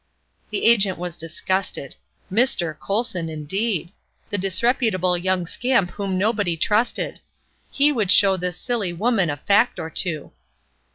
The agent was disgusted. "Mr. Colson," indeed! The disreputable young scamp whom nobody trusted. He would show this silly woman a fact or two.